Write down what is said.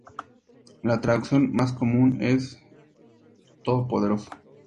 La traducción más común es "todopoderoso".